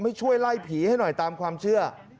ให้ช่วยไล่ผีให้หน่อยตามความเชื่อ